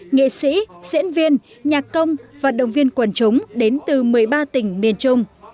nghệ sĩ diễn viên nhạc công và động viên quần chúng đến từ một mươi ba tỉnh miền trung